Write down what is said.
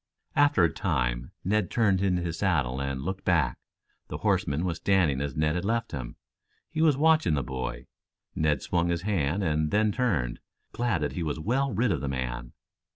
After a time Ned turned in his saddle and looked back. The horseman was standing as Ned had left him. He was watching the boy. Ned swung his hand, and then turned, glad that he was well rid of the man.